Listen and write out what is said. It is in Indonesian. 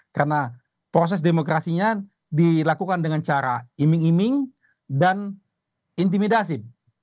karena proses demokrasinya dilakukan dengan cara iming iming dan intimidasif